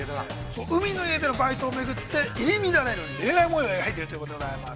◆海の家でのバイトをめぐって入り乱れる恋愛模様を描いているということでございます。